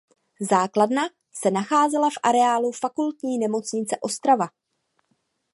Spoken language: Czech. Základna se nacházela v areálu Fakultní nemocnice Ostrava.